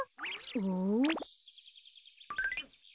うん？